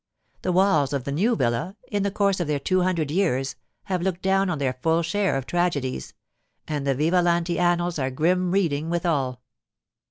The walls of the new villa, in the course of their two hundred years, have looked down on their full share of tragedies, and the Vivalanti annals are grim reading withal.